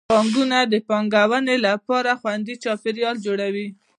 بانکونه د پانګونې لپاره خوندي چاپیریال جوړوي.